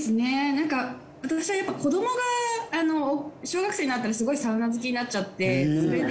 なんか私は子どもが小学生になったらすごいサウナ好きになっちゃってそれで。